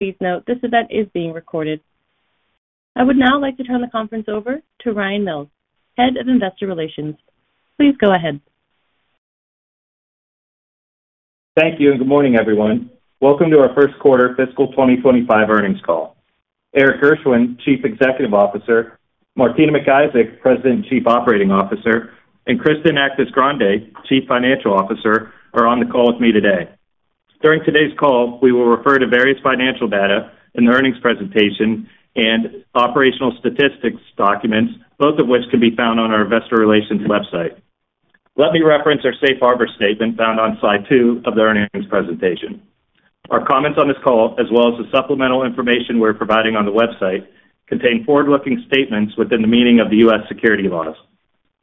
Please note, this event is being recorded. I would now like to turn the conference over to Ryan Mills, Head of Investor Relations. Please go ahead. Thank you, and good morning, everyone. Welcome to our first quarter fiscal 2025 earnings call. Erik Gershwind, Chief Executive Officer, Martina McIsaac, President and Chief Operating Officer, and Kristen Actis-Grande, Chief Financial Officer, are on the call with me today. During today's call, we will refer to various financial data in the earnings presentation and operational statistics documents, both of which can be found on our Investor Relations website. Let me reference our Safe Harbor statement found on slide two of the earnings presentation. Our comments on this call, as well as the supplemental information we're providing on the website, contain forward-looking statements within the meaning of the U.S. securities laws.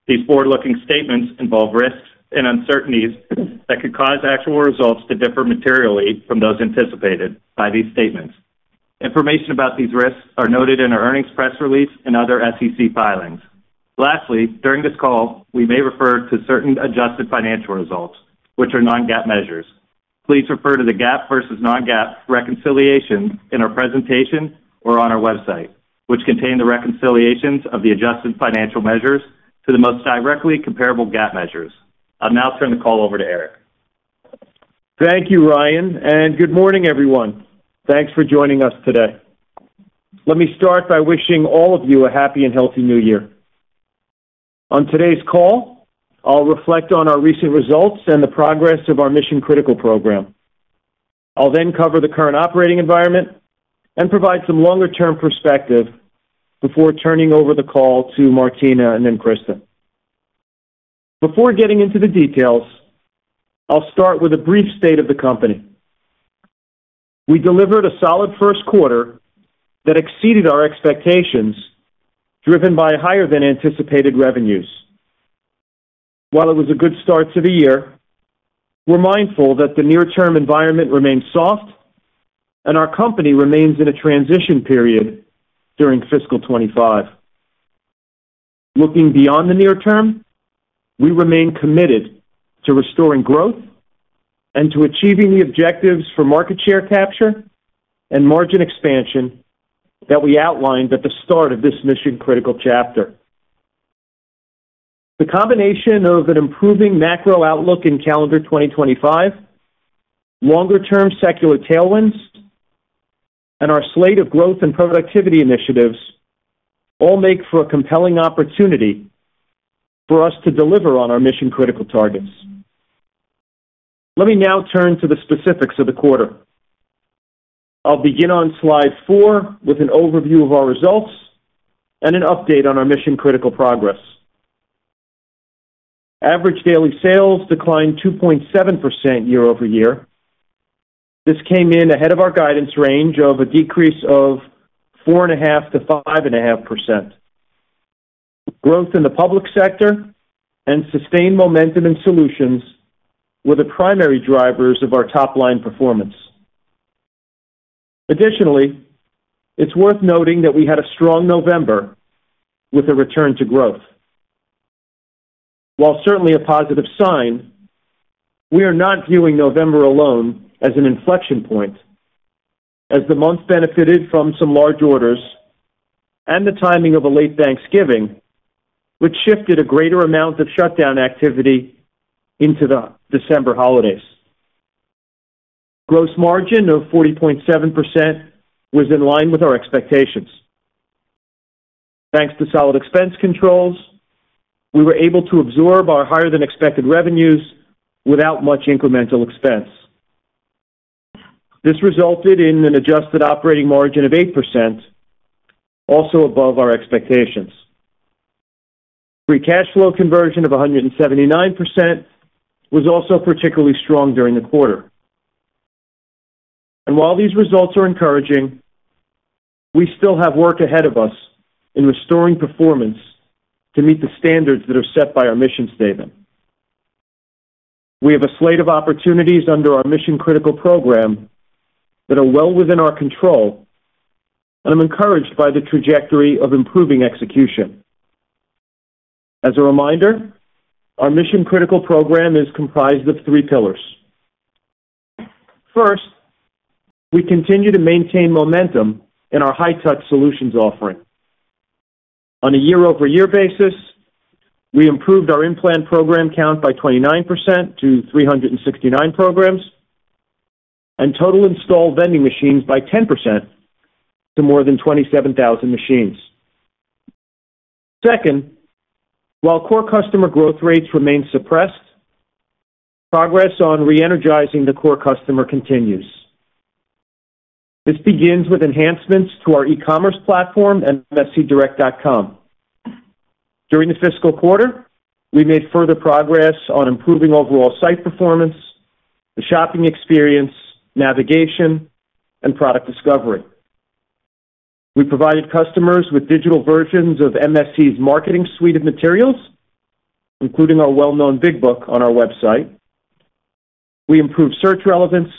These forward-looking statements involve risks and uncertainties that could cause actual results to differ materially from those anticipated by these statements. Information about these risks are noted in our earnings press release and other SEC filings. Lastly, during this call, we may refer to certain adjusted financial results, which are non-GAAP measures. Please refer to the GAAP versus non-GAAP reconciliations in our presentation or on our website, which contain the reconciliations of the adjusted financial measures to the most directly comparable GAAP measures. I'll now turn the call over to Erik. Thank you, Ryan, and good morning, everyone. Thanks for joining us today. Let me start by wishing all of you a happy and healthy New Year. On today's call, I'll reflect on our recent results and the progress of our Mission-Critical program. I'll then cover the current operating environment and provide some longer-term perspective before turning over the call to Martina and then Kristen. Before getting into the details, I'll start with a brief state of the company. We delivered a solid first quarter that exceeded our expectations, driven by higher-than-anticipated revenues. While it was a good start to the year, we're mindful that the near-term environment remains soft and our company remains in a transition period during fiscal 2025. Looking beyond the near term, we remain committed to restoring growth and to achieving the objectives for market share capture and margin expansion that we outlined at the start of this mission-critical chapter. The combination of an improving macro outlook in calendar 2025, longer-term secular tailwinds, and our slate of growth and productivity initiatives all make for a compelling opportunity for us to deliver on our mission-critical targets. Let me now turn to the specifics of the quarter. I'll begin on slide four with an overview of our results and an update on our mission-critical progress. Average daily sales declined 2.7% year over year. This came in ahead of our guidance range of a decrease of 4.5%-5.5%. Growth in the public sector and sustained momentum in solutions were the primary drivers of our top-line performance. Additionally, it's worth noting that we had a strong November with a return to growth. While certainly a positive sign, we are not viewing November alone as an inflection point, as the month benefited from some large orders and the timing of a late Thanksgiving, which shifted a greater amount of shutdown activity into the December holidays. Gross margin of 40.7% was in line with our expectations. Thanks to solid expense controls, we were able to absorb our higher-than-expected revenues without much incremental expense. This resulted in an adjusted operating margin of 8%, also above our expectations. Free cash flow conversion of 179% was also particularly strong during the quarter. And while these results are encouraging, we still have work ahead of us in restoring performance to meet the standards that are set by our mission statement. We have a slate of opportunities under our Mission-Critical program that are well within our control, and I'm encouraged by the trajectory of improving execution. As a reminder, our Mission-Critical program is comprised of three pillars. First, we continue to maintain momentum in our high-touch solutions offering. On a year-over-year basis, we improved our Implant Program count by 29% to 369 programs and total installed vending machines by 10% to more than 27,000 machines. Second, while core customer growth rates remain suppressed, progress on re-energizing the core customer continues. This begins with enhancements to our e-commerce platform and MSCDirect.com. During the fiscal quarter, we made further progress on improving overall site performance, the shopping experience, navigation, and product discovery. We provided customers with digital versions of MSC's marketing suite of materials, including our well-known Big Book on our website. We improved search relevance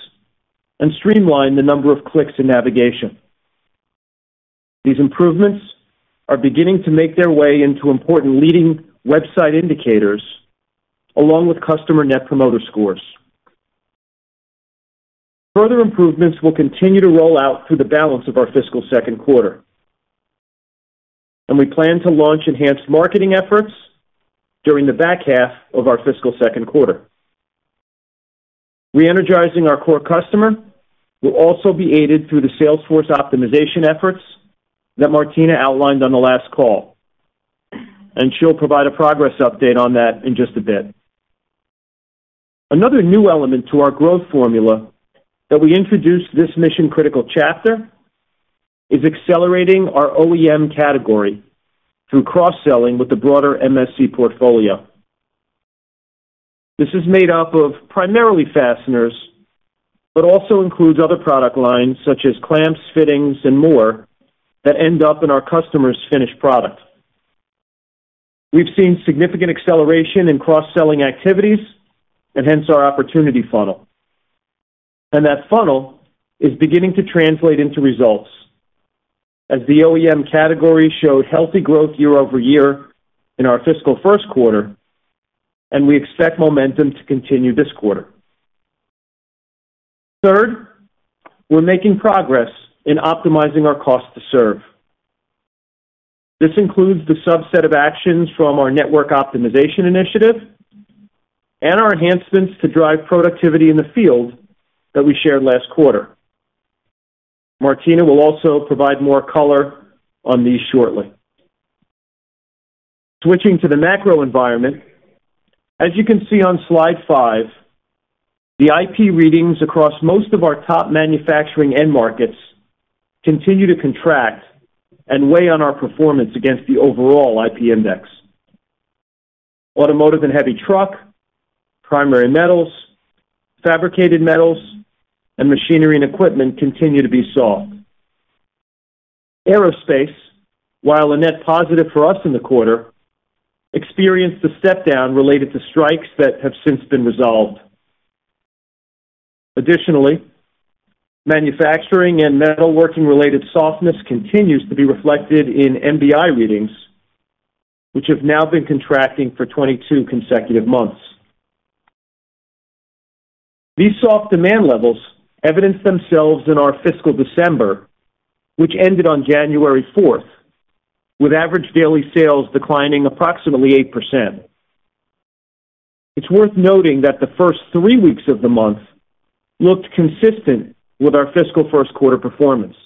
and streamlined the number of clicks in navigation. These improvements are beginning to make their way into important leading website indicators along with customer net promoter scores. Further improvements will continue to roll out through the balance of our fiscal second quarter, and we plan to launch enhanced marketing efforts during the back half of our fiscal second quarter. Re-energizing our core customer will also be aided through the sales force optimization efforts that Martina outlined on the last call, and she'll provide a progress update on that in just a bit. Another new element to our growth formula that we introduced this Mission-Critical chapter is accelerating our OEM category through cross-selling with the broader MSC portfolio. This is made up of primarily fasteners, but also includes other product lines such as clamps, fittings, and more that end up in our customer's finished product. We've seen significant acceleration in cross-selling activities and hence our opportunity funnel, and that funnel is beginning to translate into results as the OEM category showed healthy growth year over year in our fiscal first quarter, and we expect momentum to continue this quarter. Third, we're making progress in optimizing our cost to serve. This includes the subset of actions from our network optimization initiative and our enhancements to drive productivity in the field that we shared last quarter. Martina will also provide more color on these shortly. Switching to the macro environment, as you can see on slide five, the IP readings across most of our top manufacturing end markets continue to contract and weigh on our performance against the overall IP index. Automotive and heavy truck, primary metals, fabricated metals, and machinery and equipment continue to be soft. Aerospace, while a net positive for us in the quarter, experienced a step down related to strikes that have since been resolved. Additionally, manufacturing and metalworking-related softness continues to be reflected in MBI readings, which have now been contracting for 22 consecutive months. These soft demand levels evidenced themselves in our fiscal December, which ended on January 4th, with average daily sales declining approximately 8%. It's worth noting that the first three weeks of the month looked consistent with our fiscal first quarter performance.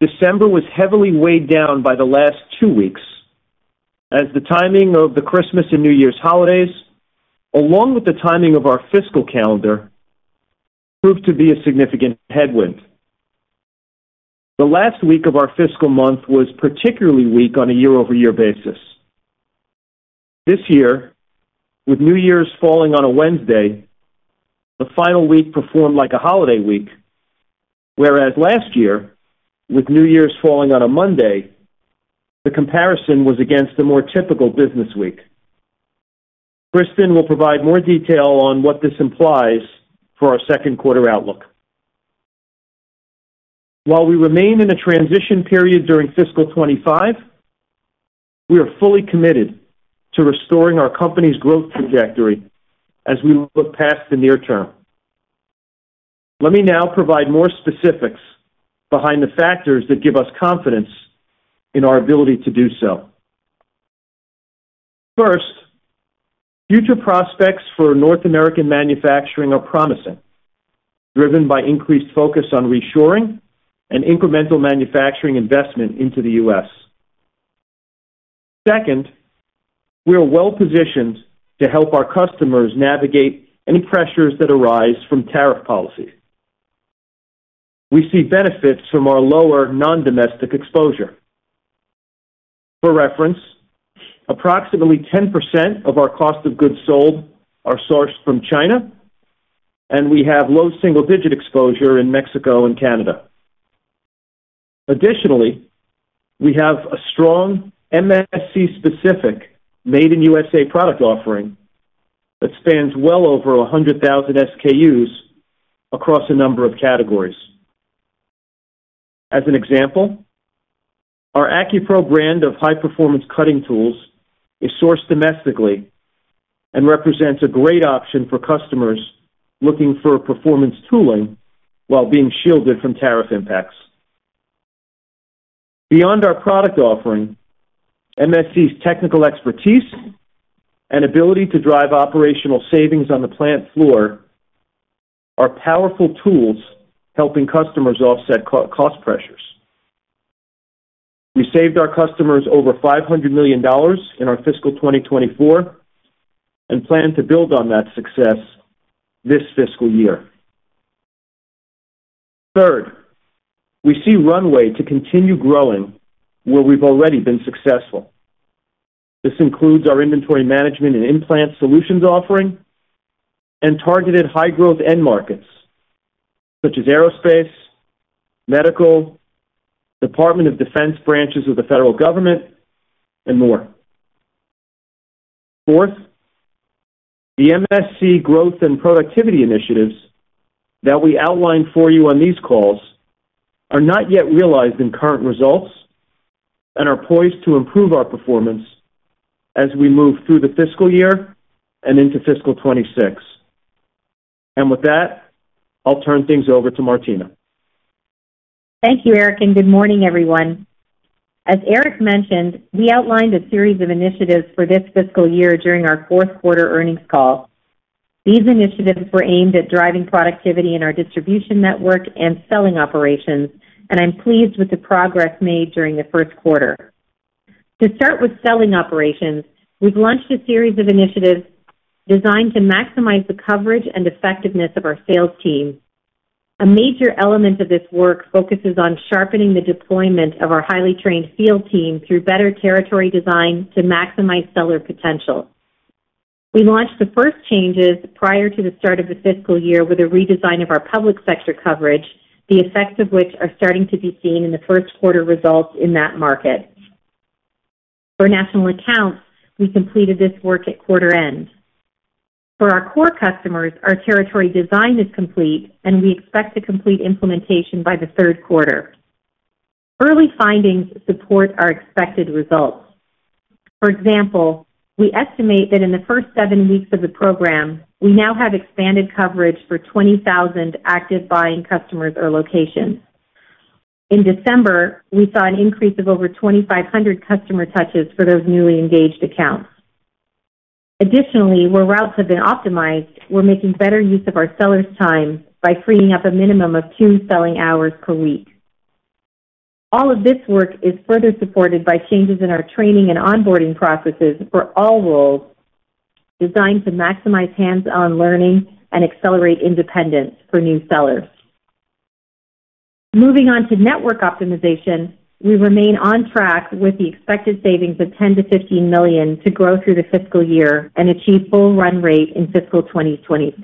December was heavily weighed down by the last two weeks as the timing of the Christmas and New Year's holidays, along with the timing of our fiscal calendar, proved to be a significant headwind. The last week of our fiscal month was particularly weak on a year-over-year basis. This year, with New Year's falling on a Wednesday, the final week performed like a holiday week, whereas last year, with New Year's falling on a Monday, the comparison was against a more typical business week. Kristen will provide more detail on what this implies for our second quarter outlook. While we remain in a transition period during fiscal 2025, we are fully committed to restoring our company's growth trajectory as we look past the near term. Let me now provide more specifics behind the factors that give us confidence in our ability to do so. First, future prospects for North American manufacturing are promising, driven by increased focus on reshoring and incremental manufacturing investment into the U.S. Second, we are well positioned to help our customers navigate any pressures that arise from tariff policy. We see benefits from our lower non-domestic exposure. For reference, approximately 10% of our cost of goods sold are sourced from China, and we have low single-digit exposure in Mexico and Canada. Additionally, we have a strong MSC-specific Made in USA product offering that spans well over 100,000 SKUs across a number of categories. As an example, our AccuPro brand of high-performance cutting tools is sourced domestically and represents a great option for customers looking for performance tooling while being shielded from tariff impacts. Beyond our product offering, MSC's technical expertise and ability to drive operational savings on the plant floor are powerful tools helping customers offset cost pressures. We saved our customers over $500 million in our fiscal 2024 and plan to build on that success this fiscal year. Third, we see runway to continue growing where we've already been successful. This includes our inventory management and implant solutions offering and targeted high-growth end markets such as aerospace, medical, Department of Defense branches of the federal government, and more. Fourth, the MSC growth and productivity initiatives that we outlined for you on these calls are not yet realized in current results and are poised to improve our performance as we move through the fiscal year and into fiscal 2026. And with that, I'll turn things over to Martina. Thank you, Erik, and good morning, everyone. As Erik mentioned, we outlined a series of initiatives for this fiscal year during our fourth quarter earnings call. These initiatives were aimed at driving productivity in our distribution network and selling operations, and I'm pleased with the progress made during the first quarter. To start with selling operations, we've launched a series of initiatives designed to maximize the coverage and effectiveness of our sales team. A major element of this work focuses on sharpening the deployment of our highly trained field team through better territory design to maximize seller potential. We launched the first changes prior to the start of the fiscal year with a redesign of our public sector coverage, the effects of which are starting to be seen in the first quarter results in that market. For national accounts, we completed this work at quarter end. For our core customers, our territory design is complete, and we expect to complete implementation by the third quarter. Early findings support our expected results. For example, we estimate that in the first seven weeks of the program, we now have expanded coverage for 20,000 active buying customers or locations. In December, we saw an increase of over 2,500 customer touches for those newly engaged accounts. Additionally, where routes have been optimized, we're making better use of our seller's time by freeing up a minimum of two selling hours per week. All of this work is further supported by changes in our training and onboarding processes for all roles designed to maximize hands-on learning and accelerate independence for new sellers. Moving on to network optimization, we remain on track with the expected savings of $10 million-$15 million to grow through the fiscal year and achieve full run rate in fiscal 2026.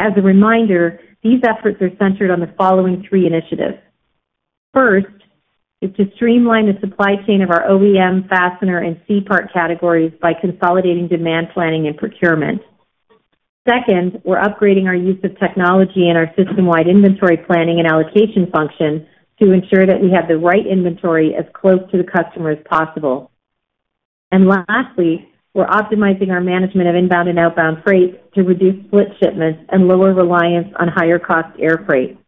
As a reminder, these efforts are centered on the following three initiatives. First is to streamline the supply chain of our OEM, fastener, and C-Parts categories by consolidating demand planning and procurement. Second, we're upgrading our use of technology and our system-wide inventory planning and allocation function to ensure that we have the right inventory as close to the customer as possible. And lastly, we're optimizing our management of inbound and outbound freight to reduce split shipments and lower reliance on higher-cost air freight.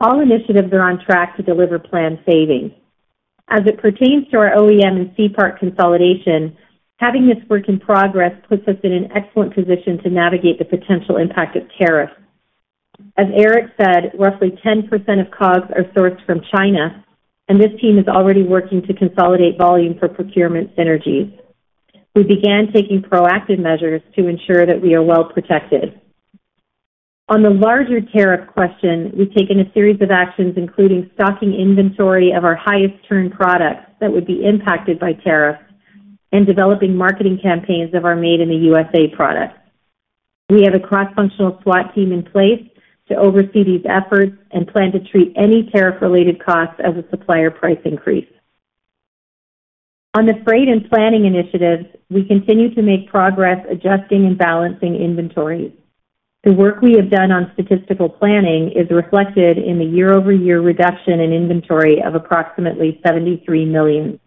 All initiatives are on track to deliver planned savings. As it pertains to our OEM and C-Parts consolidation, having this work in progress puts us in an excellent position to navigate the potential impact of tariffs. As Erik said, roughly 10% of COGS are sourced from China, and this team is already working to consolidate volume for procurement synergies. We began taking proactive measures to ensure that we are well protected. On the larger tariff question, we've taken a series of actions including stocking inventory of our highest-turn products that would be impacted by tariffs and developing marketing campaigns of our Made in the USA products. We have a cross-functional SWAT team in place to oversee these efforts and plan to treat any tariff-related costs as a supplier price increase. On the freight and planning initiatives, we continue to make progress adjusting and balancing inventory. The work we have done on statistical planning is reflected in the year-over-year reduction in inventory of approximately $73 million.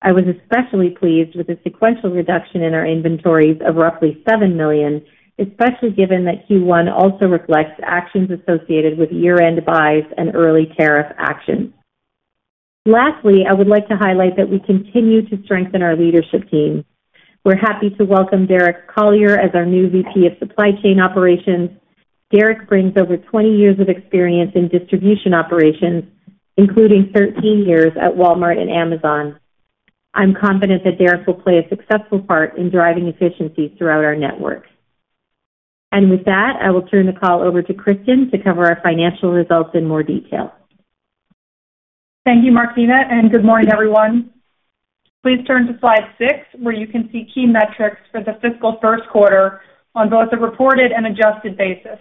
I was especially pleased with the sequential reduction in our inventories of roughly $7 million, especially given that Q1 also reflects actions associated with year-end buys and early tariff actions. Lastly, I would like to highlight that we continue to strengthen our leadership team. We're happy to welcome Derek Collier as our new VP of Supply Chain Operations. Derek brings over 20 years of experience in distribution operations, including 13 years at Walmart and Amazon. I'm confident that Derek will play a successful part in driving efficiencies throughout our network, and with that, I will turn the call over to Kristen to cover our financial results in more detail. Thank you, Martina, and good morning, everyone. Please turn to slide six, where you can see key metrics for the fiscal first quarter on both a reported and adjusted basis.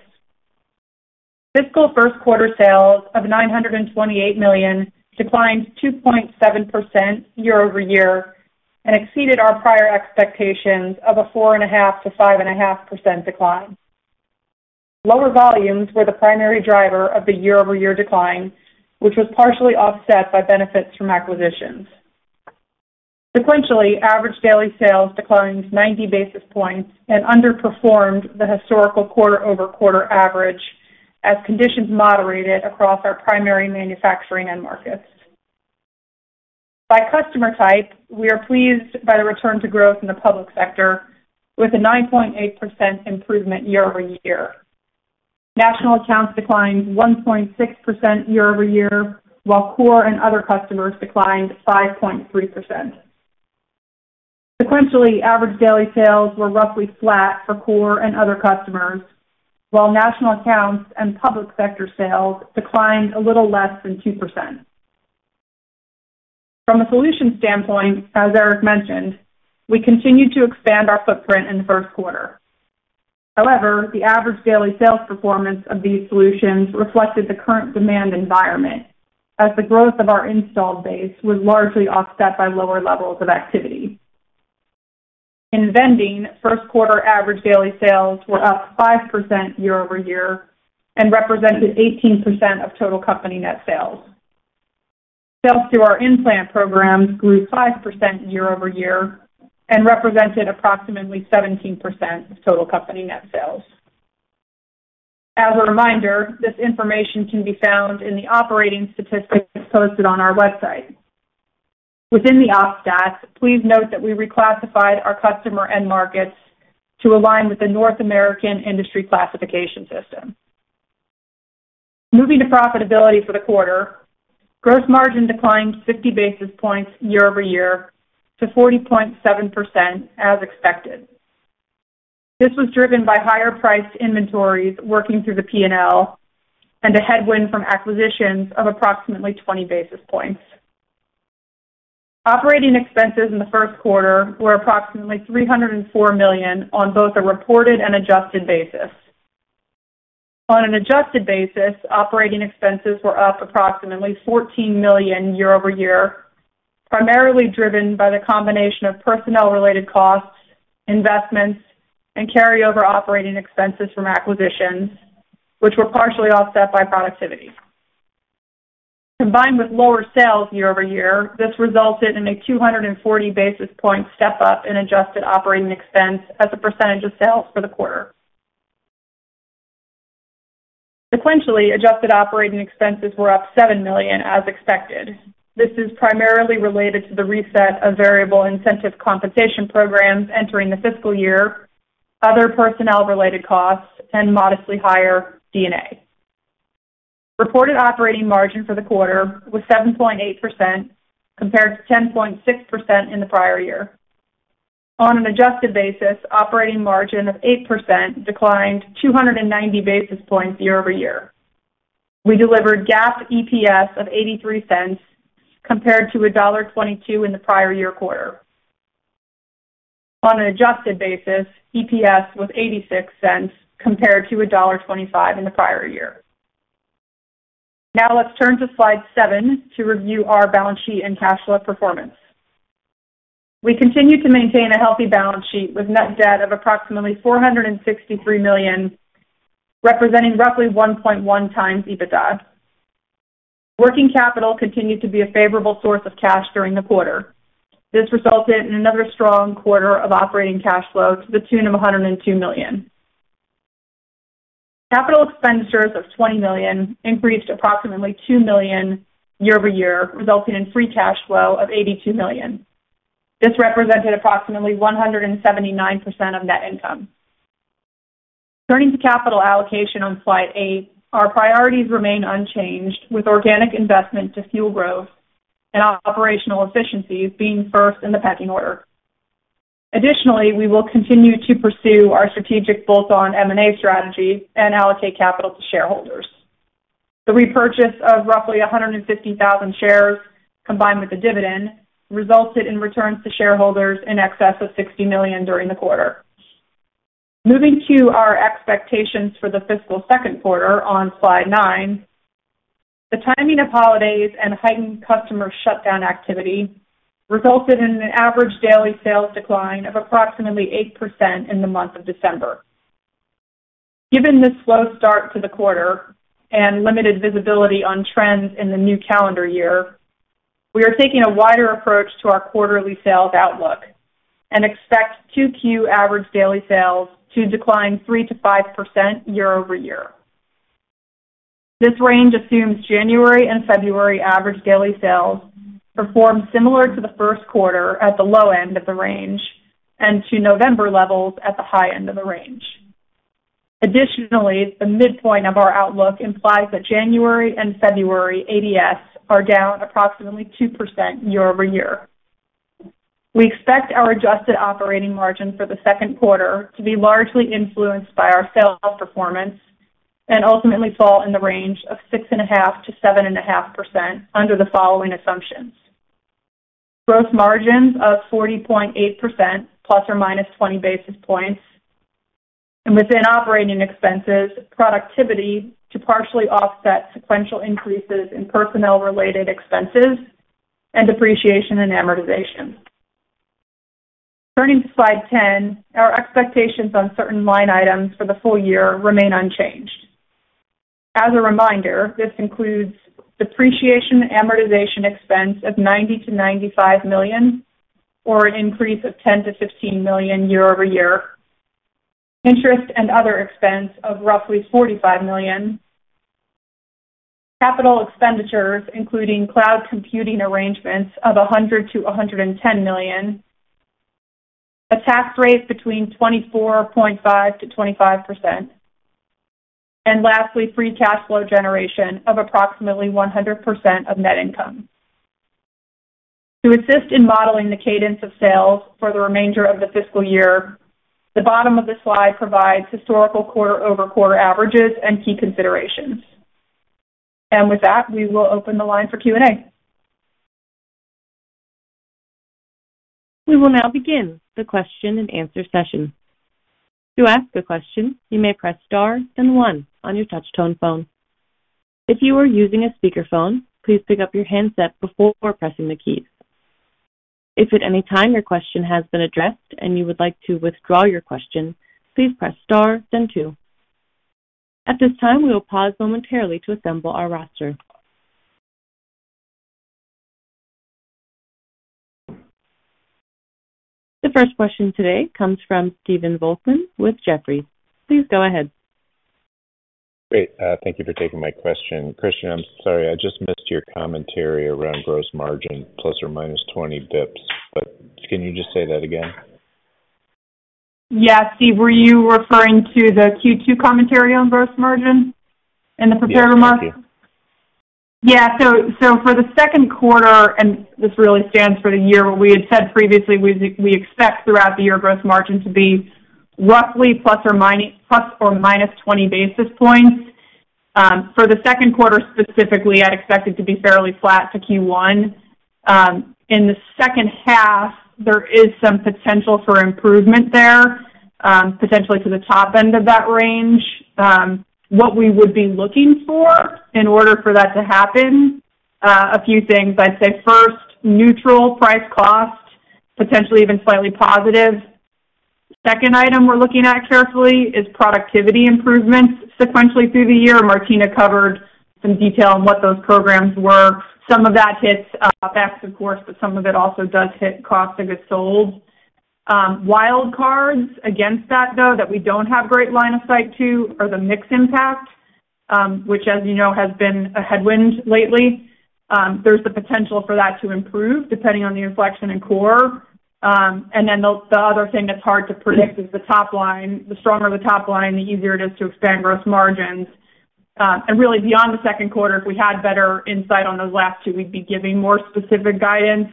Fiscal first quarter sales of $928 million declined 2.7% year-over-year and exceeded our prior expectations of a 4.5%-5.5% decline. Lower volumes were the primary driver of the year-over-year decline, which was partially offset by benefits from acquisitions. Sequentially, average daily sales declined 90 basis points and underperformed the historical quarter-over-quarter average as conditions moderated across our primary manufacturing end markets. By customer type, we are pleased by the return to growth in the public sector with a 9.8% improvement year-over-year. National accounts declined 1.6% year-over-year, while core and other customers declined 5.3%. Sequentially, average daily sales were roughly flat for core and other customers, while national accounts and public sector sales declined a little less than 2%. From a solution standpoint, as Erik mentioned, we continued to expand our footprint in the first quarter. However, the average daily sales performance of these solutions reflected the current demand environment as the growth of our installed base was largely offset by lower levels of activity. In vending, first quarter average daily sales were up 5% year-over-year and represented 18% of total company net sales. Sales through our implant programs grew 5% year-over-year and represented approximately 17% of total company net sales. As a reminder, this information can be found in the operating statistics posted on our website. Within the ops stats, please note that we reclassified our customer end markets to align with the North American Industry Classification System. Moving to profitability for the quarter, gross margin declined 50 basis points year-over-year to 40.7% as expected. This was driven by higher-priced inventories working through the P&L and a headwind from acquisitions of approximately 20 basis points. Operating expenses in the first quarter were approximately $304 million on both a reported and adjusted basis. On an adjusted basis, operating expenses were up approximately $14 million year-over-year, primarily driven by the combination of personnel-related costs, investments, and carryover operating expenses from acquisitions, which were partially offset by productivity. Combined with lower sales year-over-year, this resulted in a 240 basis points step-up in adjusted operating expense as a percentage of sales for the quarter. Sequentially, adjusted operating expenses were up $7 million as expected. This is primarily related to the reset of variable incentive compensation programs entering the fiscal year, other personnel-related costs, and modestly higher DNA. Reported operating margin for the quarter was 7.8% compared to 10.6% in the prior year. On an adjusted basis, operating margin of 8% declined 290 basis points year-over-year. We delivered GAAP EPS of $0.83 compared to $1.22 in the prior year quarter. On an adjusted basis, EPS was $0.86 compared to $1.25 in the prior year. Now let's turn to slide seven to review our balance sheet and cash flow performance. We continue to maintain a healthy balance sheet with net debt of approximately $463 million, representing roughly 1.1 times EBITDA. Working capital continued to be a favorable source of cash during the quarter. This resulted in another strong quarter of operating cash flow to the tune of $102 million. Capital expenditures of $20 million increased approximately $2 million year-over-year, resulting in free cash flow of $82 million. This represented approximately 179% of net income. Turning to capital allocation on slide eight, our priorities remain unchanged, with organic investment to fuel growth and operational efficiencies being first in the pecking order. Additionally, we will continue to pursue our strategic bolt-on M&A strategy and allocate capital to shareholders. The repurchase of roughly 150,000 shares combined with the dividend resulted in returns to shareholders in excess of $60 million during the quarter. Moving to our expectations for the fiscal second quarter on slide nine, the timing of holidays and heightened customer shutdown activity resulted in an average daily sales decline of approximately 8% in the month of December. Given this slow start to the quarter and limited visibility on trends in the new calendar year, we are taking a wider approach to our quarterly sales outlook and expect Q2 average daily sales to decline 3%-5% year-over-year. This range assumes January and February average daily sales performed similar to the first quarter at the low end of the range and to November levels at the high end of the range. Additionally, the midpoint of our outlook implies that January and February ADS are down approximately 2% year-over-year. We expect our adjusted operating margin for the second quarter to be largely influenced by our sales performance and ultimately fall in the range of 6.5%-7.5% under the following assumptions: gross margins of 40.8% plus or minus 20 basis points, and within operating expenses, productivity to partially offset sequential increases in personnel-related expenses and depreciation and amortization. Turning to slide 10, our expectations on certain line items for the full year remain unchanged. As a reminder, this includes depreciation and amortization expense of $90-$95 million or an increase of $10-$15 million year-over-year, interest and other expense of roughly $45 million, capital expenditures including cloud computing arrangements of $100-$110 million, a tax rate between 24.5%-25%, and lastly, free cash flow generation of approximately 100% of net income. To assist in modeling the cadence of sales for the remainder of the fiscal year, the bottom of the slide provides historical quarter-over-quarter averages and key considerations. With that, we will open the line for Q&A. We will now begin the question-and-answer session. To ask a question, you may press star then one on your touch-tone phone. If you are using a speakerphone, please pick up your handset before pressing the keys. If at any time your question has been addressed and you would like to withdraw your question, please press star then two. At this time, we will pause momentarily to assemble our roster. The first question today comes from Stephen Volkmann with Jefferies. Please go ahead. Great. Thank you for taking my question. Kristen, I'm sorry. I just missed your commentary around gross margin plus or minus 20 basis points, but can you just say that again? Yeah. Steve, were you referring to the Q2 commentary on gross margin and the prepared remarks? Yeah. Thank you. Yeah. So for the second quarter, and this really stands for the year, what we had said previously, we expect throughout the year gross margin to be roughly plus or minus 20 basis points. For the second quarter specifically, I'd expect it to be fairly flat for Q1. In the second half, there is some potential for improvement there, potentially to the top end of that range. What we would be looking for in order for that to happen, a few things. I'd say first, neutral price-cost, potentially even slightly positive. Second item we're looking at carefully is productivity improvements sequentially through the year. Martina covered some detail on what those programs were. Some of that hits back to the course, but some of it also does hit cost of goods sold. Wild cards against that, though, that we don't have great line of sight to are the mixed impact, which, as you know, has been a headwind lately. There's the potential for that to improve depending on the inflection in core. And then the other thing that's hard to predict is the top line. The stronger the top line, the easier it is to expand gross margins. And really, beyond the second quarter, if we had better insight on those last two, we'd be giving more specific guidance.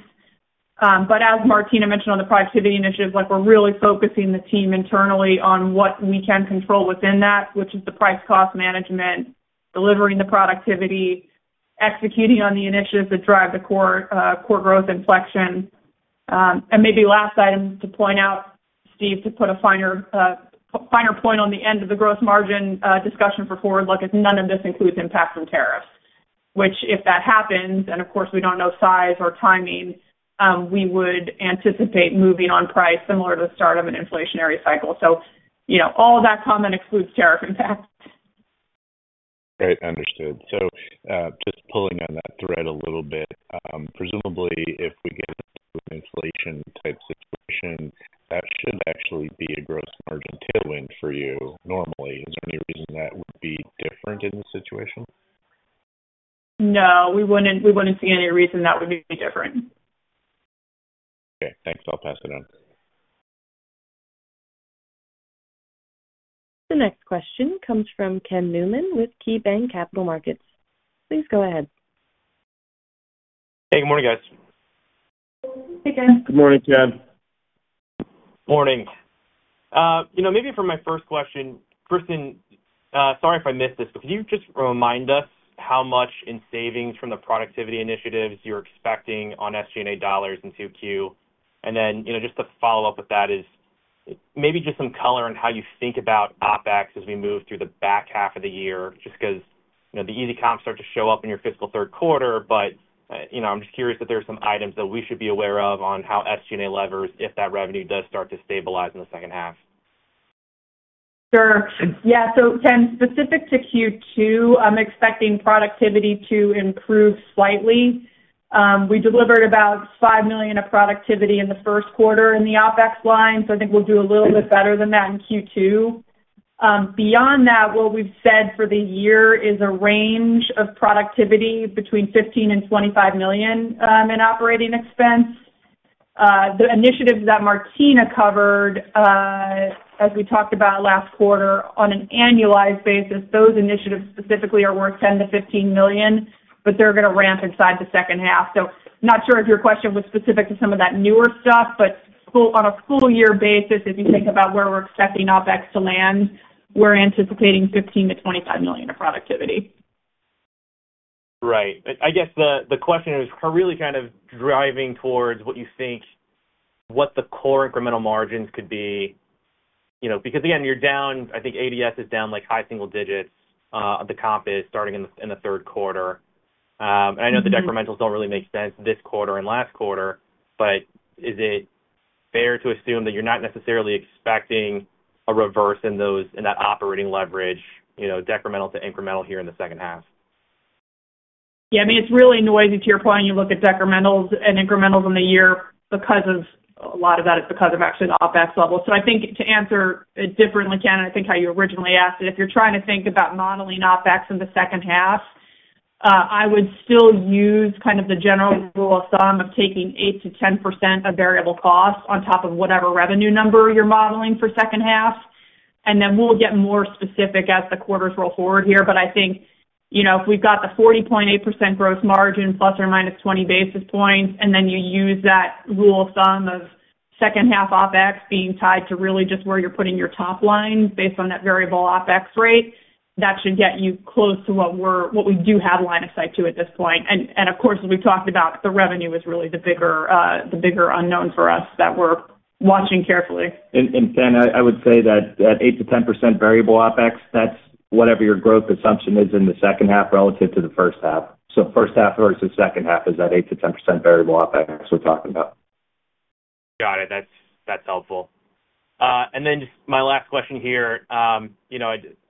But as Martina mentioned on the productivity initiatives, we're really focusing the team internally on what we can control within that, which is the price cost management, delivering the productivity, executing on the initiatives that drive the core growth inflection. Maybe last item to point out, Steve, to put a finer point on the end of the Gross Margin discussion for forward look is none of this includes impact from tariffs, which if that happens, and of course, we don't know size or timing, we would anticipate moving on price similar to the start of an inflationary cycle. All that comment excludes tariff impact. Great. Understood. So just pulling on that thread a little bit, presumably if we get into an inflation-type situation, that should actually be a gross margin tailwind for you normally. Is there any reason that would be different in this situation? No. We wouldn't see any reason that would be different. Okay. Thanks. I'll pass it on. The next question comes from Ken Newman with KeyBanc Capital Markets. Please go ahead. Hey. Good morning, guys. Hey, Ken. Good morning, Ken. Morning. Maybe for my first question, Kristen, sorry if I missed this, but could you just remind us how much in savings from the productivity initiatives you're expecting on SG&A dollars in Q2? And then just to follow up with that is maybe just some color on how you think about OpEx as we move through the back half of the year, just because the EasyComps start to show up in your fiscal third quarter. But I'm just curious if there are some items that we should be aware of on how SG&A levers if that revenue does start to stabilize in the second half. Sure. Yeah. So Ken, specific to Q2, I'm expecting productivity to improve slightly. We delivered about $5 million of productivity in the first quarter in the OpEx line, so I think we'll do a little bit better than that in Q2. Beyond that, what we've said for the year is a range of productivity between $15 million and $25 million in operating expense. The initiatives that Martina covered, as we talked about last quarter, on an annualized basis, those initiatives specifically are worth $10 million to $15 million, but they're going to ramp inside the second half. So not sure if your question was specific to some of that newer stuff, but on a full year basis, if you think about where we're expecting OpEx to land, we're anticipating $15 million to $25 million of productivity. Right. I guess the question is really kind of driving towards what you think the core incremental margins could be. Because again, you're down, I think ADS is down high single digits. The comp is starting in the third quarter. And I know the decrementals don't really make sense this quarter and last quarter, but is it fair to assume that you're not necessarily expecting a reverse in that operating leverage, decremental to incremental here in the second half? Yeah. I mean, it's really noisy to your point. You look at decrementals and incrementals in the year because a lot of that is because of actually the OpEx level. So I think to answer it differently, Ken, I think how you originally asked it, if you're trying to think about modeling OpEx in the second half, I would still use kind of the general rule of thumb of taking 8%-10% of variable cost on top of whatever revenue number you're modeling for second half. And then we'll get more specific as the quarters roll forward here. But I think if we've got the 40.8% gross margin plus or minus 20 basis points, and then you use that rule of thumb of second half OpEx being tied to really just where you're putting your top line based on that variable OpEx rate, that should get you close to what we do have line of sight to at this point. And of course, as we've talked about, the revenue is really the bigger unknown for us that we're watching carefully. Ken, I would say that that 8%-10% variable OpEx, that's whatever your growth assumption is in the second half relative to the first half. First half versus second half is that 8%-10% variable OpEx we're talking about. Got it. That's helpful. And then just my last question here.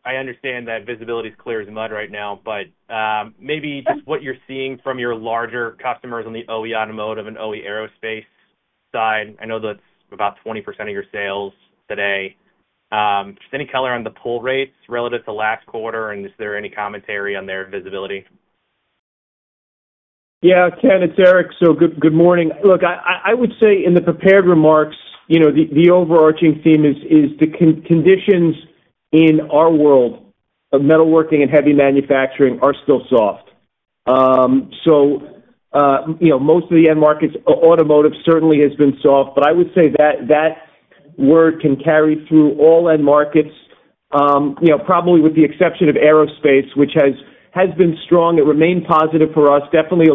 I understand that visibility is clear as mud right now, but maybe just what you're seeing from your larger customers on the OE automotive and OE aerospace side. I know that's about 20% of your sales today. Just any color on the pull rates relative to last quarter, and is there any commentary on their visibility? Yeah. Ken, it's Erik. So good morning. Look, I would say in the prepared remarks, the overarching theme is the conditions in our world of metalworking and heavy manufacturing are still soft. So most of the end markets, automotive certainly has been soft, but I would say that word can carry through all end markets, probably with the exception of aerospace, which has been strong. It remained positive for us, definitely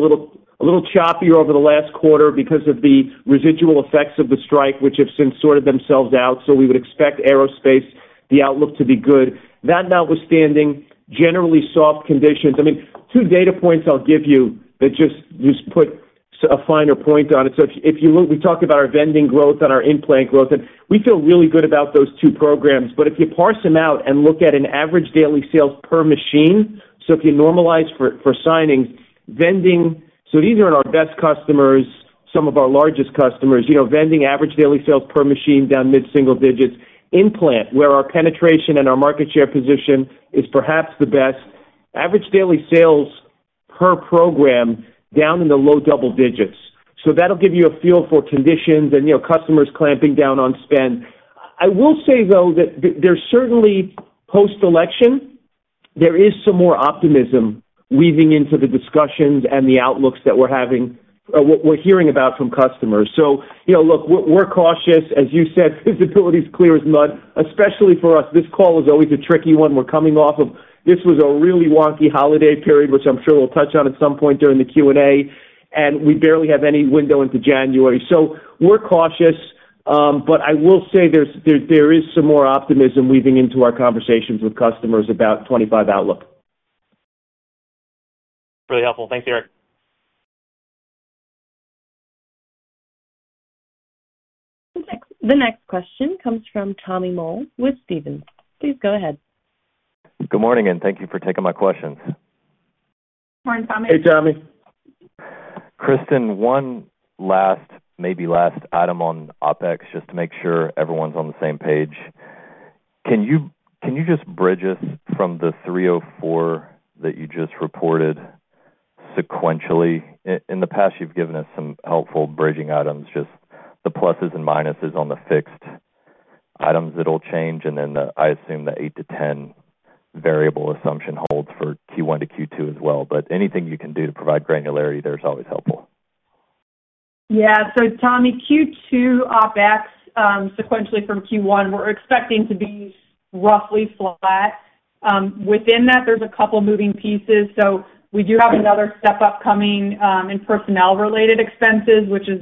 a little choppier over the last quarter because of the residual effects of the strike, which have since sorted themselves out. So we would expect aerospace, the outlook to be good. That notwithstanding, generally soft conditions. I mean, two data points I'll give you that just put a finer point on it. So if you look, we talked about our vending growth and our implant growth, and we feel really good about those two programs. But if you parse them out and look at an average daily sales per machine, so if you normalize for signings, vending, so these are our best customers, some of our largest customers, vending average daily sales per machine down mid-single digits. Implant, where our penetration and our market share position is perhaps the best. Average daily sales per program down in the low double digits. So that'll give you a feel for conditions and customers clamping down on spend. I will say, though, that there's certainly post-election, there is some more optimism weaving into the discussions and the outlooks that we're hearing about from customers. So look, we're cautious. As you said, visibility is clear as mud, especially for us. This call is always a tricky one. We're coming off of, this was a really wonky holiday period, which I'm sure we'll touch on at some point during the Q&A, and we barely have any window into January, so we're cautious, but I will say there is some more optimism weaving into our conversations with customers about 2025 outlook. Really helpful. Thanks, Erik. The next question comes from Tommy Moll with Stephens. Please go ahead. Good morning, and thank you for taking my questions. Morning, Tommy. Hey, Tommy. Kristen, one last, maybe last item on OpEx, just to make sure everyone's on the same page. Can you just bridge us from the 304 that you just reported sequentially? In the past, you've given us some helpful bridging items, just the pluses and minuses on the fixed items that will change, and then I assume the 8-10 variable assumption holds for Q1 to Q2 as well. But anything you can do to provide granularity, that is always helpful. Yeah. So Tommy, Q2 OpEx sequentially from Q1, we're expecting to be roughly flat. Within that, there's a couple of moving pieces. So we do have another step upcoming in personnel-related expenses, which is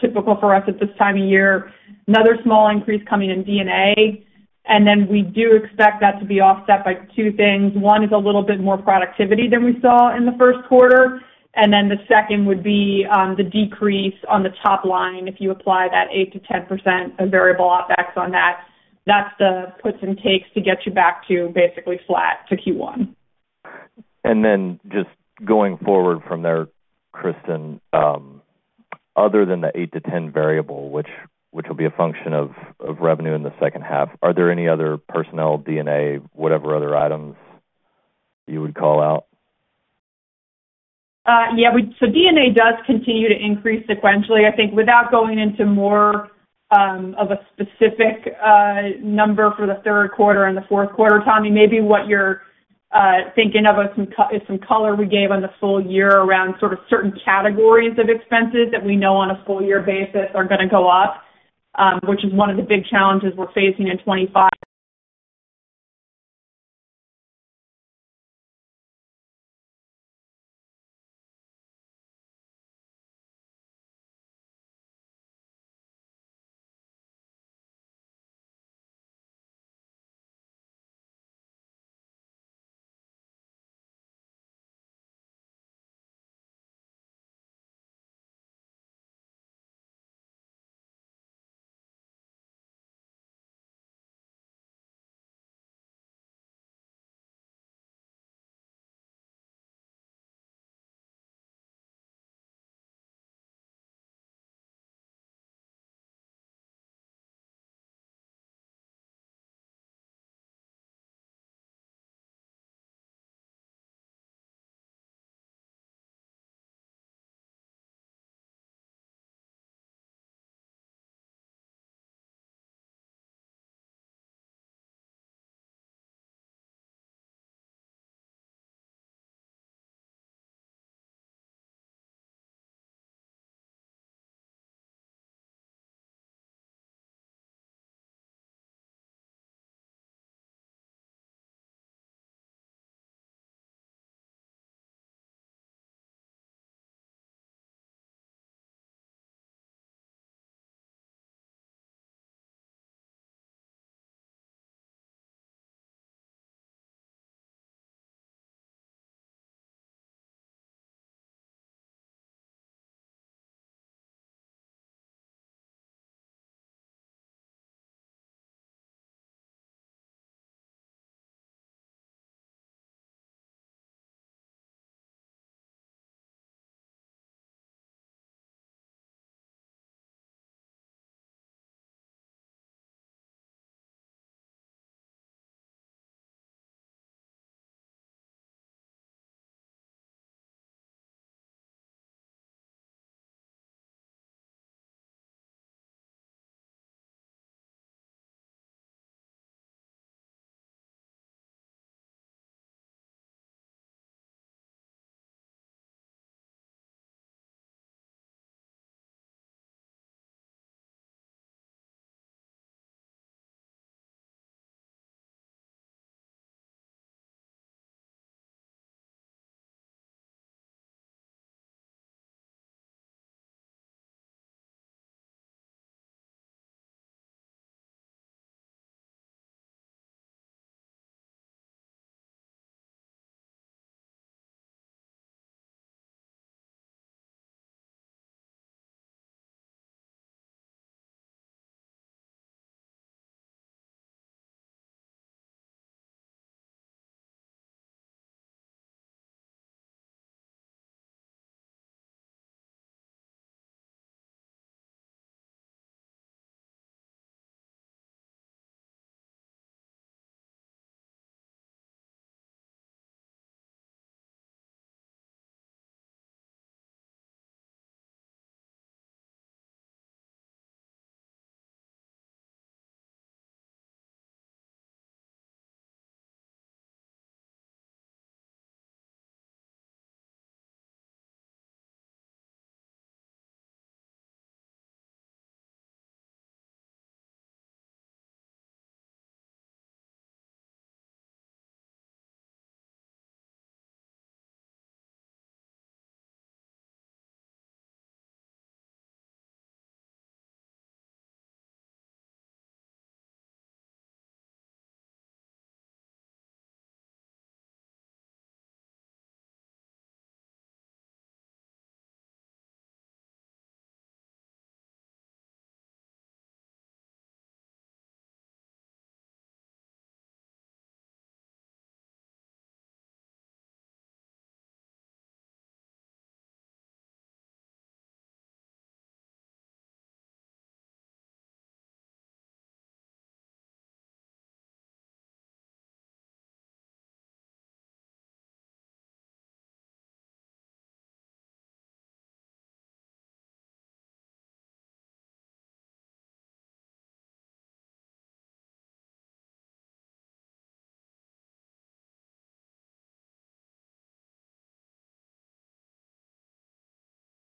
typical for us at this time of year. Another small increase coming in DNA. And then we do expect that to be offset by two things. One is a little bit more productivity than we saw in the first quarter. And then the second would be the decrease on the top line if you apply that 8%-10% of variable OpEx on that. That's the puts and takes to get you back to basically flat to Q1. Then just going forward from there, Kristen, other than the 8-10 variable, which will be a function of revenue in the second half, are there any other personnel, DNA, whatever other items you would call out? Yeah. So, DNA does continue to increase sequentially. I think without going into more of a specific number for the third quarter and the fourth quarter, Tommy, maybe what you're thinking of is some color we gave on the full year around sort of certain categories of expenses that we know on a full-year basis are going to go up, which is one of the big challenges we're facing in 2025.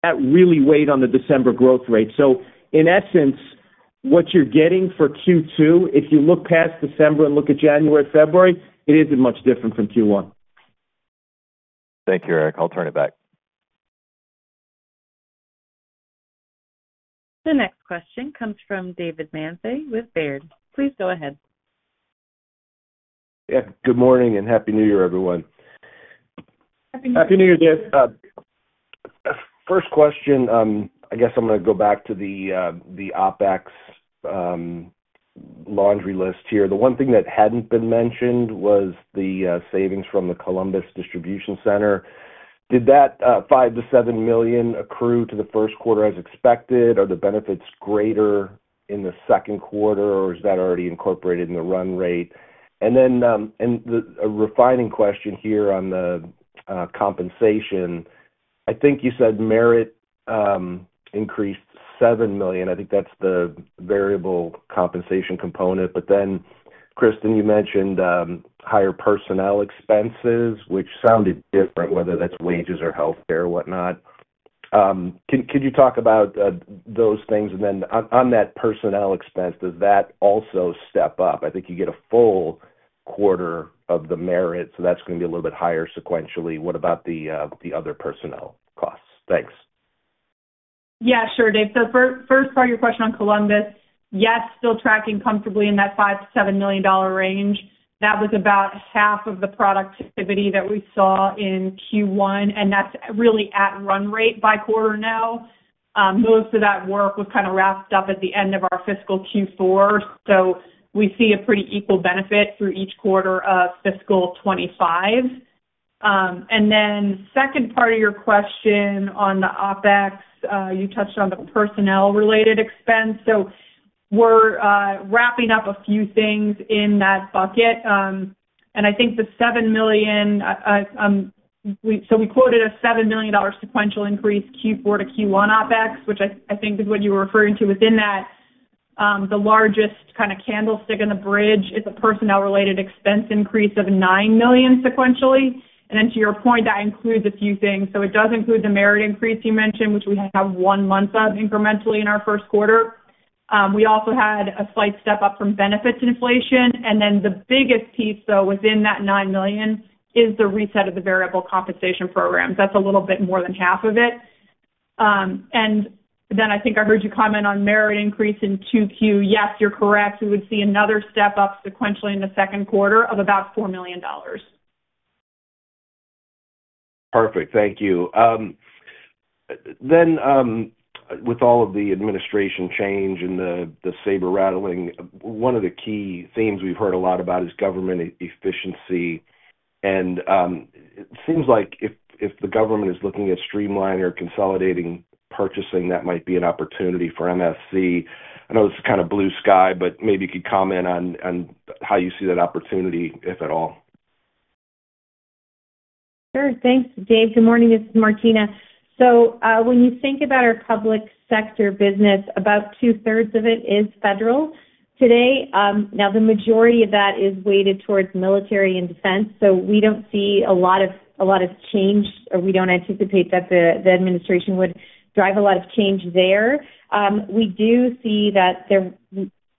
That really weighed on the December growth rate. So, in essence, what you're getting for Q2, if you look past December and look at January and February, it isn't much different from Q1. Thank you, Erik. I'll turn it back. The next question comes from David Manthey with Baird. Please go ahead. Yeah. Good morning and happy New Year, everyone. Happy New Year. Happy New Year, Dave. First question, I guess I'm going to go back to the OpEx laundry list here. The one thing that hadn't been mentioned was the savings from the Columbus Distribution Center. Did that $5 million-$7 million accrue to the first quarter as expected? Are the benefits greater in the second quarter, or is that already incorporated in the run rate? And then a refining question here on the compensation. I think you said merit increased $7 million. I think that's the variable compensation component. But then, Kristen, you mentioned higher personnel expenses, which sounded different, whether that's wages or healthcare or whatnot. Could you talk about those things? And then on that personnel expense, does that also step up? I think you get a full quarter of the merit, so that's going to be a little bit higher sequentially. What about the other personnel costs? Thanks. Yeah. Sure, Dave. So first part of your question on Columbus, yes, still tracking comfortably in that $5-$7 million range. That was about half of the productivity that we saw in Q1, and that's really at run rate by quarter now. Most of that work was kind of wrapped up at the end of our fiscal Q4. So we see a pretty equal benefit through each quarter of fiscal 2025. And then second part of your question on the OpEx, you touched on the personnel-related expense. So we're wrapping up a few things in that bucket. And I think the $7 million—so we quoted a $7 million sequential increase Q4 to Q1 OpEx, which I think is what you were referring to. Within that, the largest kind of candlestick in the bridge is a personnel-related expense increase of $9 million sequentially. And then to your point, that includes a few things. So it does include the merit increase you mentioned, which we had one month of incrementally in our first quarter. We also had a slight step up from benefits inflation. And then the biggest piece, though, within that $9 million is the reset of the variable compensation programs. That's a little bit more than half of it. And then I think I heard you comment on merit increase in Q2. Yes, you're correct. We would see another step up sequentially in the second quarter of about $4 million. Perfect. Thank you. Then with all of the administration change and the saber rattling, one of the key themes we've heard a lot about is government efficiency. And it seems like if the government is looking at streamlining or consolidating purchasing, that might be an opportunity for MSC. I know this is kind of blue sky, but maybe you could comment on how you see that opportunity, if at all? Sure. Thanks, Dave. Good morning. This is Martina. So when you think about our public sector business, about two-thirds of it is federal today. Now, the majority of that is weighted towards military and defense. So we don't see a lot of change, or we don't anticipate that the administration would drive a lot of change there. We do see that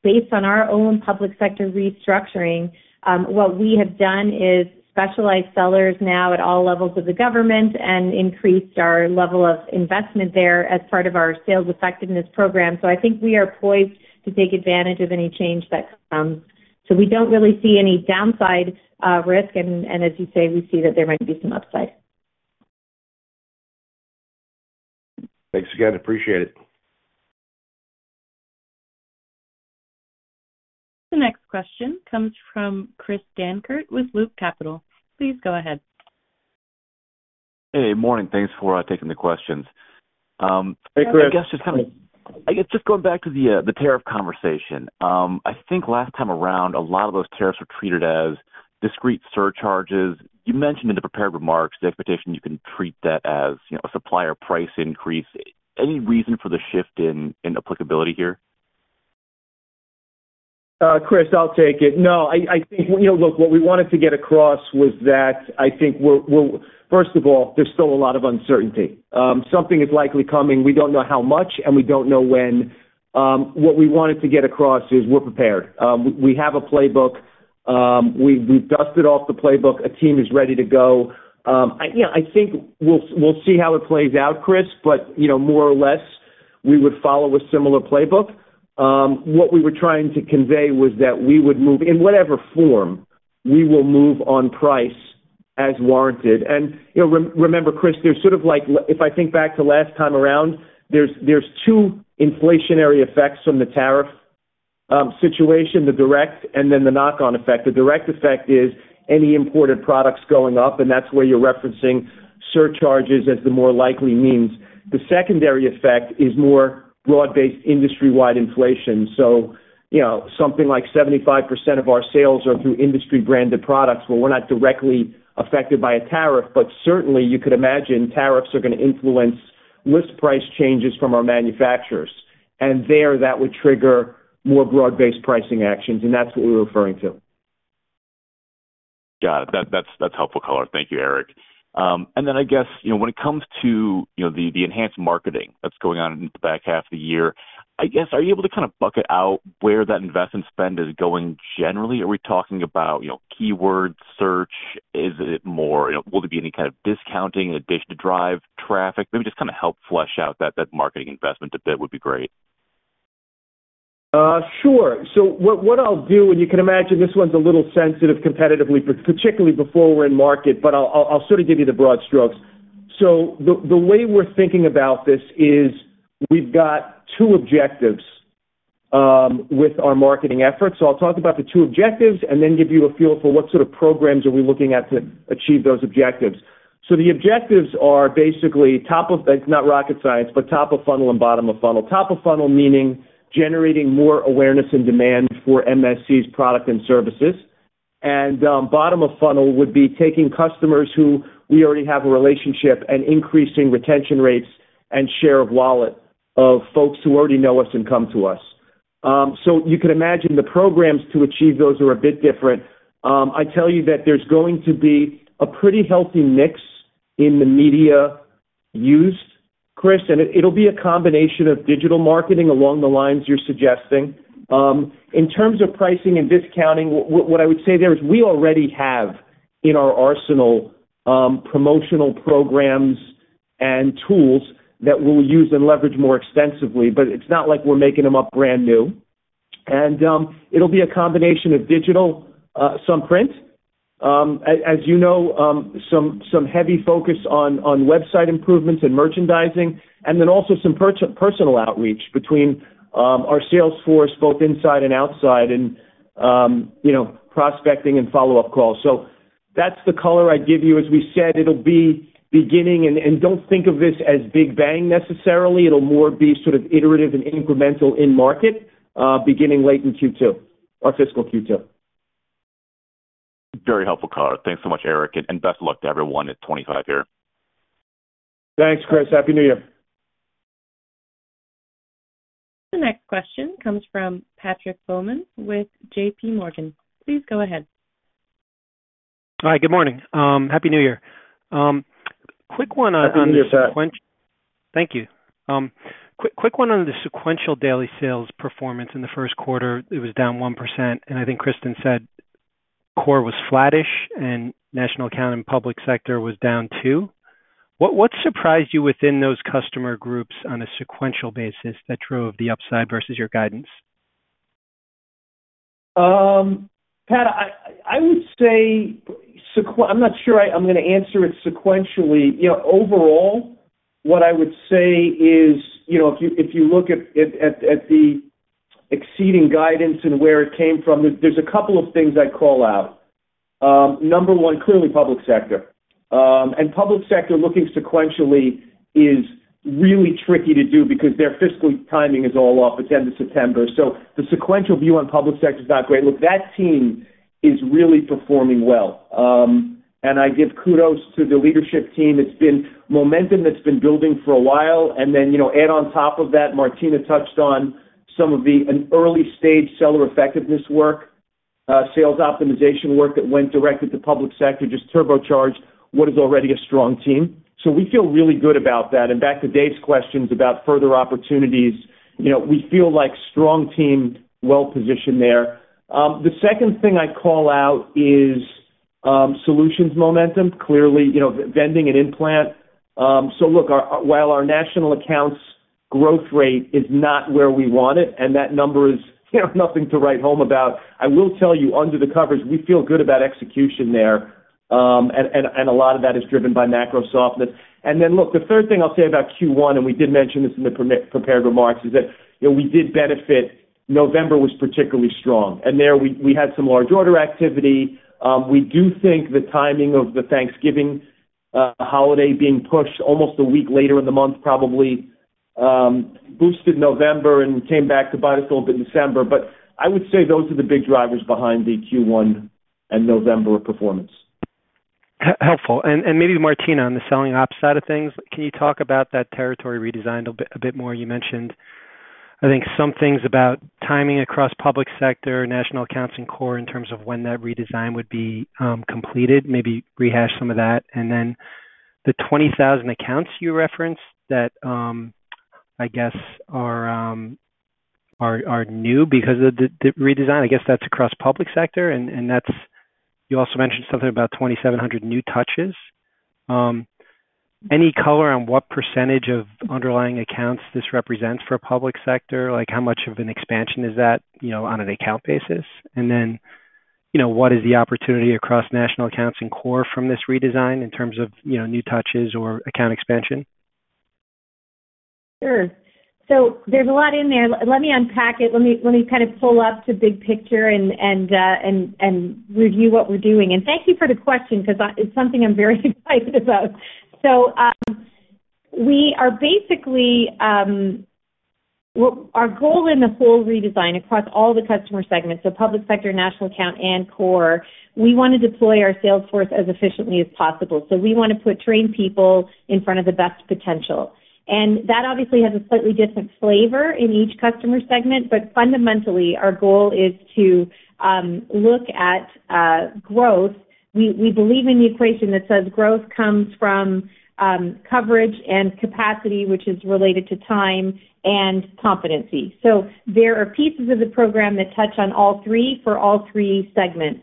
based on our own public sector restructuring, what we have done is specialized sellers now at all levels of the government and increased our level of investment there as part of our sales effectiveness program. So I think we are poised to take advantage of any change that comes. So we don't really see any downside risk. And as you say, we see that there might be some upside. Thanks again. Appreciate it. The next question comes from Chris Dankert with Loop Capital. Please go ahead. Hey. Morning. Thanks for taking the questions. Hey, Chris. I guess just going back to the tariff conversation, I think last time around, a lot of those tariffs were treated as discrete surcharges. You mentioned in the prepared remarks the expectation you can treat that as a supplier price increase. Any reason for the shift in applicability here? Chris, I'll take it. No, I think, look, what we wanted to get across was that I think, first of all, there's still a lot of uncertainty. Something is likely coming. We don't know how much, and we don't know when. What we wanted to get across is we're prepared. We have a playbook. We've dusted off the playbook. A team is ready to go. I think we'll see how it plays out, Chris, but more or less, we would follow a similar playbook. What we were trying to convey was that we would move in whatever form, we will move on price as warranted, and remember, Chris, there's sort of like, if I think back to last time around, there's two inflationary effects from the tariff situation: the direct and then the knock-on effect. The direct effect is any imported products going up, and that's where you're referencing surcharges as the more likely means. The secondary effect is more broad-based industry-wide inflation. So something like 75% of our sales are through industry-branded products, where we're not directly affected by a tariff. But certainly, you could imagine tariffs are going to influence list price changes from our manufacturers. And there, that would trigger more broad-based pricing actions, and that's what we were referring to. Got it. That's helpful color. Thank you, Erik. And then I guess when it comes to the enhanced marketing that's going on in the back half of the year, I guess, are you able to kind of bucket out where that investment spend is going generally? Are we talking about keyword search? Is it more? Will there be any kind of discounting in addition to drive traffic? Maybe just kind of help flesh out that marketing investment a bit would be great. Sure. So what I'll do, and you can imagine this one's a little sensitive competitively, particularly before we're in market, but I'll sort of give you the broad strokes. So the way we're thinking about this is we've got two objectives with our marketing efforts. So I'll talk about the two objectives and then give you a feel for what sort of programs are we looking at to achieve those objectives. So the objectives are basically top of. It's not rocket science, but top of funnel and bottom of funnel. Top of funnel meaning generating more awareness and demand for MSC's product and services. And bottom of funnel would be taking customers who we already have a relationship and increasing retention rates and share of wallet of folks who already know us and come to us. So you could imagine the programs to achieve those are a bit different. I tell you that there's going to be a pretty healthy mix in the media used, Chris, and it'll be a combination of digital marketing along the lines you're suggesting. In terms of pricing and discounting, what I would say there is we already have in our arsenal promotional programs and tools that we'll use and leverage more extensively, but it's not like we're making them up brand new. And it'll be a combination of digital, some print, as you know, some heavy focus on website improvements and merchandising, and then also some personal outreach between our sales force, both inside and outside, and prospecting and follow-up calls. So that's the color I'd give you. As we said, it'll be beginning - and don't think of this as big bang necessarily. It'll more be sort of iterative and incremental in market beginning late in Q2 or fiscal Q2. Very helpful color. Thanks so much, Erik, and best of luck to everyone at 2025 here. Thanks, Chris. Happy New Year. The next question comes from Patrick Baumann with JPMorgan. Please go ahead. Hi. Good morning. Happy New Year. Quick one on the sequential. Thank you. Quick one on the sequential daily sales performance in the first quarter. It was down 1%, and I think Kristen said core was flattish and national account and public sector was down 2%. What surprised you within those customer groups on a sequential basis that drove the upside versus your guidance? Pat, I would say I'm not sure I'm going to answer it sequentially. Overall, what I would say is if you look at the exceeding guidance and where it came from, there's a couple of things I'd call out. Number one, clearly public sector, and public sector looking sequentially is really tricky to do because their fiscal timing is all off at the end of September. So the sequential view on public sector is not great. Look, that team is really performing well, and I give kudos to the leadership team. It's been momentum that's been building for a while, and then add on top of that, Martina touched on some of the early-stage seller effectiveness work, sales optimization work that went directly to public sector, just turbocharged what is already a strong team. So we feel really good about that. Back to Dave's questions about further opportunities, we feel like strong team, well-positioned there. The second thing I'd call out is solutions momentum. Clearly, vending and implant. So look, while our national accounts growth rate is not where we want it, and that number is nothing to write home about, I will tell you under the covers, we feel good about execution there, and a lot of that is driven by macro softness. Then look, the third thing I'll say about Q1, and we did mention this in the prepared remarks, is that we did benefit. November was particularly strong. There we had some large order activity. We do think the timing of the Thanksgiving holiday being pushed almost a week later in the month probably boosted November and came back to bite us a little bit in December. But I would say those are the big drivers behind the Q1 and November performance. Helpful. And maybe Martina, on the selling op side of things, can you talk about that territory redesign a bit more? You mentioned, I think, some things about timing across public sector, national accounts, and core in terms of when that redesign would be completed, maybe rehash some of that. And then the 20,000 accounts you referenced that I guess are new because of the redesign, I guess that's across public sector. And you also mentioned something about 2,700 new touches. Any color on what percentage of underlying accounts this represents for public sector? How much of an expansion is that on an account basis? And then what is the opportunity across national accounts and core from this redesign in terms of new touches or account expansion? Sure. So there's a lot in there. Let me unpack it. Let me kind of pull up to big picture and review what we're doing. And thank you for the question because it's something I'm very excited about. So we are basically, our goal in the full redesign across all the customer segments, so public sector, national account, and core, we want to deploy our sales force as efficiently as possible. So we want to put trained people in front of the best potential. And that obviously has a slightly different flavor in each customer segment, but fundamentally, our goal is to look at growth. We believe in the equation that says growth comes from coverage and capacity, which is related to time and competency. So there are pieces of the program that touch on all three for all three segments.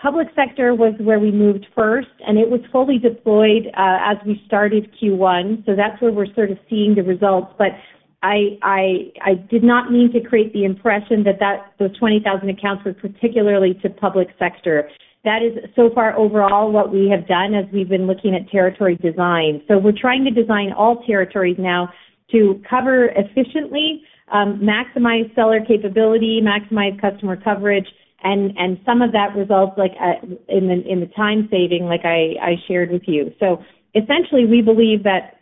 Public sector was where we moved first, and it was fully deployed as we started Q1. So that's where we're sort of seeing the results. But I did not mean to create the impression that those 20,000 accounts were particularly to public sector. That is so far overall what we have done as we've been looking at territory design. So we're trying to design all territories now to cover efficiently, maximize seller capability, maximize customer coverage, and some of that results in the time saving like I shared with you. So essentially, we believe that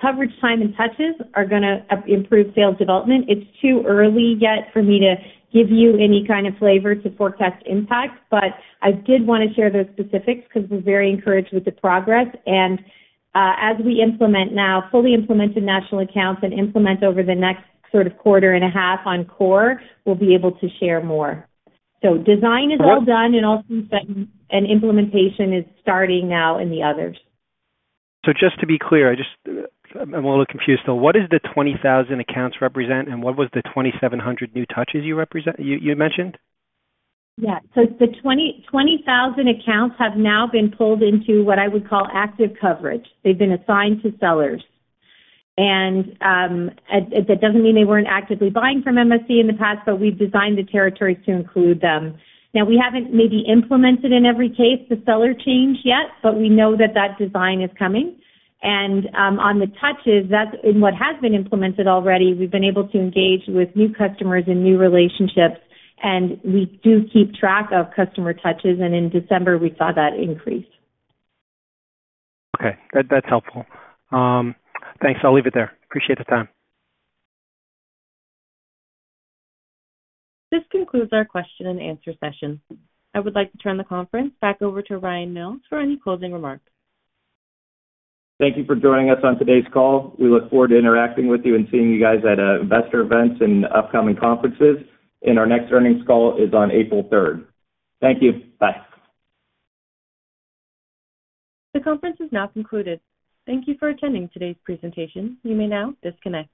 coverage time and touches are going to improve sales development. It's too early yet for me to give you any kind of flavor to forecast impact, but I did want to share those specifics because we're very encouraged with the progress. And as we implement now, fully implement the national accounts and implement over the next sort of quarter and a half on core, we'll be able to share more. So design is all done, and implementation is starting now in the others. So just to be clear, I'm a little confused though. What does the 20,000 accounts represent, and what was the 2,700 new touches you mentioned? Yeah. So the 20,000 accounts have now been pulled into what I would call active coverage. They've been assigned to sellers. And that doesn't mean they weren't actively buying from MSC in the past, but we've designed the territories to include them. Now, we haven't maybe implemented in every case the seller change yet, but we know that that design is coming. And on the touches, in what has been implemented already, we've been able to engage with new customers and new relationships, and we do keep track of customer touches. And in December, we saw that increase. Okay. That's helpful. Thanks. I'll leave it there. Appreciate the time. This concludes our question and answer session. I would like to turn the conference back over to Ryan Mills for any closing remarks. Thank you for joining us on today's call. We look forward to interacting with you and seeing you guys at investor events and upcoming conferences. And our next earnings call is on April 3rd. Thank you. Bye. The conference is now concluded. Thank you for attending today's presentation. You may now disconnect.